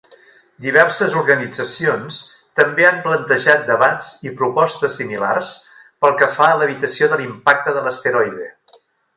Diverses organitzacions també han plantejat debats i propostes similars pel que fa a l'evitació de l'impacte de l'asteroide.